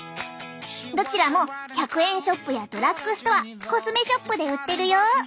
どちらも１００円ショップやドラッグストアコスメショップで売ってるよ。